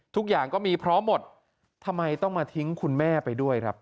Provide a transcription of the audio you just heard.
ทุกอย่างก็มีพร้อมหมดทำไมต้องมาทิ้งคุณแม่ไปด้วยครับ